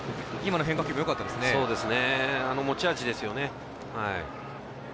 持ち味ですよね。